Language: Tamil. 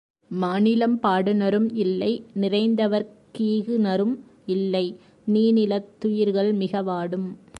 மாநிலம் பாடுநரும் இல்லை நிறைந்தவர்க் கீகுநரும் இல்லை நீணிலத் துயிர்கள்மிக வாடும்.